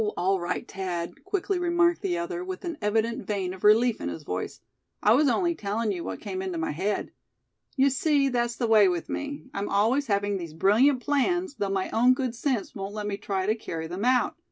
all right, Thad," quickly remarked the other, with an evident vein of relief in his voice; "I was only telling you what came into my head. You see, that's the way with me; I'm always having these brilliant plans, though my own good sense won't let me try to carry them out.